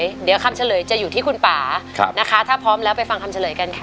เดี๋ยวคำเฉลยจะอยู่ที่คุณป่านะคะถ้าพร้อมแล้วไปฟังคำเฉลยกันค่ะ